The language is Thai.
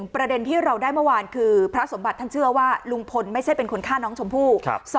ประเด็นที่เราได้เมื่อวานคือพระสมบัติท่านเชื่อว่าลุงพลไม่ใช่เป็นคนฆ่าน้องชมพู่